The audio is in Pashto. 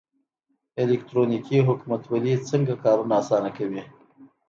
الکترونیکي حکومتولي څنګه کارونه اسانه کوي؟